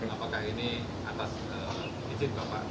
apakah ini atas izin bapak